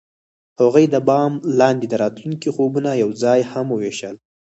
هغوی د بام لاندې د راتلونکي خوبونه یوځای هم وویشل.